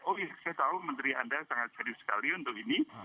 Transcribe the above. oh iya saya tahu menteri anda sangat serius sekali untuk ini